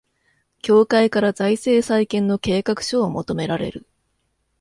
協会から財政再建の計画書を求められる